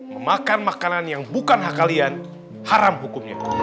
memakan makanan yang bukan hak kalian haram hukumnya